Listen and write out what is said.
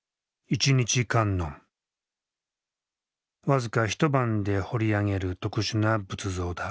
僅か一晩で彫り上げる特殊な仏像だ。